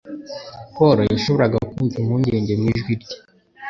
Paul yashoboraga kumva impungenge mu ijwi rye.